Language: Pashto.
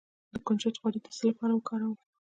د کنجد غوړي د څه لپاره وکاروم؟